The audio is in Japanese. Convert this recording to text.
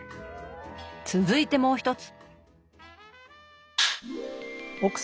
続いてもう一つ。